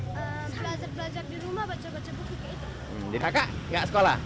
bagaimana kak enggak sekolah